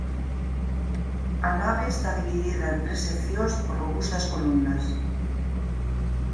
A nave está dividida en tres seccións por robustas columnas.